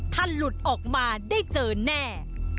ถ้าหลุดออกมาได้เจอแน่